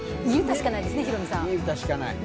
いい歌しかない。